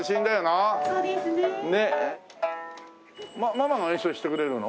ママが演奏してくれるの？